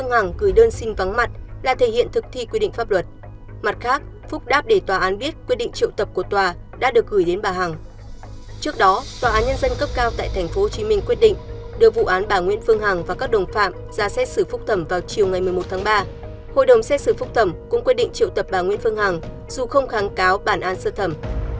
hội đồng xét xử phúc thẩm cũng quyết định trự tập bà nguyễn phương hằng dù không kháng cáo bản an sơ thẩm